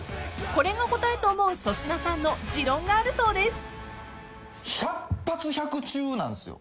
［これが答えと思う粗品さんの持論があるそうです］